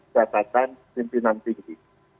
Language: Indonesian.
jabatan pimpinan tinggi